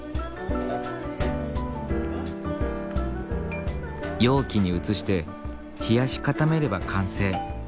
容器に移して冷やし固めれば完成。